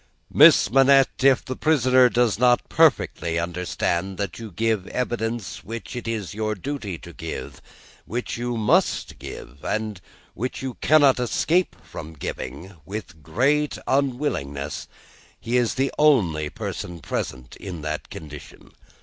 "Miss Manette, if the prisoner does not perfectly understand that you give the evidence which it is your duty to give which you must give and which you cannot escape from giving with great unwillingness, he is the only person present in that condition.